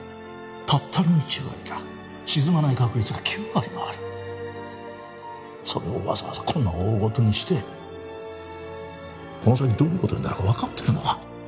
たったの１割だ沈まない確率が９割もあるそれをわざわざこんな大ごとにしてこの先どういうことになるか分かってるのか？